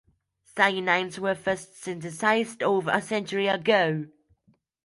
Cyanines were first synthesized over a century ago.